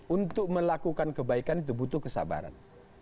untuk melakukan kebaikan itu butuh kesabaran